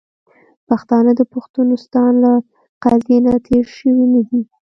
پښتانه د پښتونستان له قضیې نه تیر شوي نه دي .